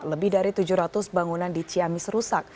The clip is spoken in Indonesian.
lebih dari tujuh ratus bangunan di ciamis rusak